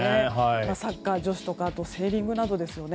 サッカー女子とかセーリングなどですね。